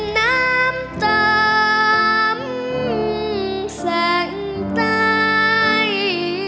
น้ำต่อแสงใต้